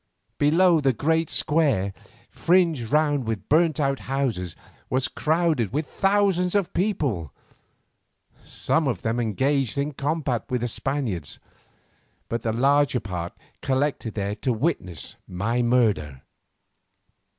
Below the great square, fringed round with burnt out houses, was crowded with thousands of people, some of them engaged in combat with the Spaniards, but the larger part collected there to witness my murder.